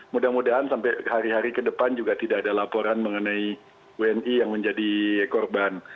mudah mudahan sampai hari hari ke depan juga tidak ada laporan mengenai wni yang menjadi korban